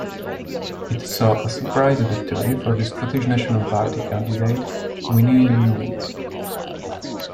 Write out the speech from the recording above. It saw a surprise victory for the Scottish National Party candidate Winnie Ewing.